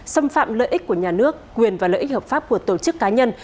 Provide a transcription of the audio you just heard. xâm phạm lợi ích của nhà nước quyền và lợi ích hợp pháp của tổ chức cá nhân